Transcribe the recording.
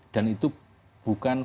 dan itu bukan